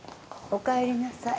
おかえりなさい。